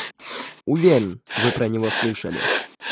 Уверен, вы про него слышали.